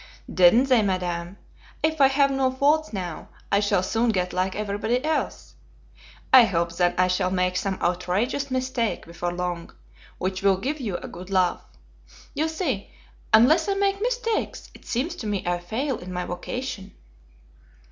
"Didn't they, Madam? If I have no faults now, I shall soon get like everybody else. I hope then I shall make some outrageous mistake before long, which will give you a good laugh. You see, unless I make mistakes, it seems to me I fail in my vocation."